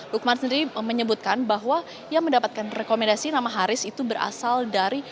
lukman sendiri menyebutkan bahwa ia mendapatkan rekomendasi nama haris itu berasal dari